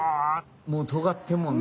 もうとがってるもんな。